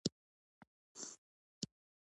د پیرودونکي وفاداري د اخلاقو زېږنده ده.